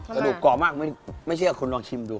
กระดูกกรอบมากไม่เชื่อคุณลองชิมดู